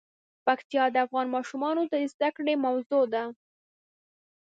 پکتیا د افغان ماشومانو د زده کړې موضوع ده.